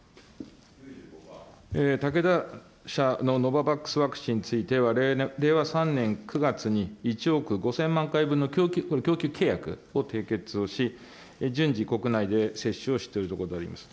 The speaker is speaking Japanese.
武田社のノババックスワクチンについては令和３年３月に１億５０００万回分の供給契約を締結をし、順次国内で接種をしているところでございます。